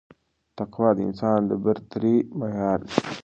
تقوا د انسان د برترۍ معیار دی